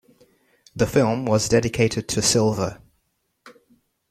The film was dedicated to Silva.